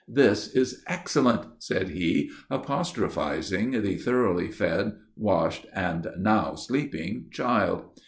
"This is excellent," said he, apostrophizing the thoroughly fed, washed, and now sleeping child.